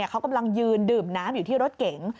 เขากำลังยืนดื่มน้ำอยู่ที่รถเก๋ง